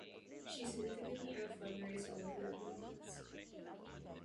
She significantly out-fundraised all of her opponents.